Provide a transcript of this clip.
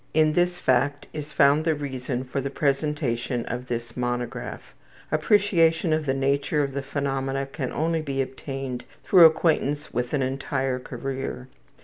In this fact is found the reason for the presentation of this monograph. Appreciation of the nature of the phenomena can only be obtained through acquaintance with an entire career.